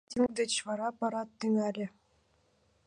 Митинг деч вара парад тӱҥале.